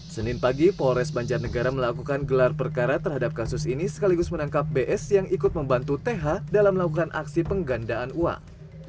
senin pagi polres banjarnegara melakukan gelar perkara terhadap kasus ini sekaligus menangkap bs yang ikut membantu th dalam melakukan aksi penggandaan uang